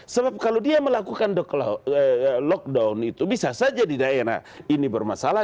sebab kalau dia melakukan lockdown itu bisa saja di daerah ini bermasalah